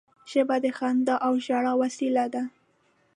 ژبه د خندا او ژړا وسیله ده